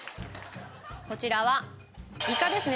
こちらはイカですね。